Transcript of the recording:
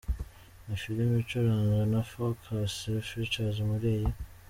Ni filime icuruzwa na Focus Features, muri iyi